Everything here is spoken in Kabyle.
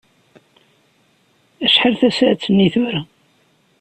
Acḥal tasaɛet-nni tura?